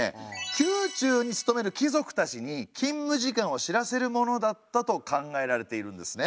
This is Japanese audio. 宮中に勤める貴族たちに勤務時間を知らせるものだったと考えられているんですね。